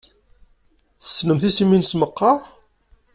Tessnemt isem-nnes meqqar?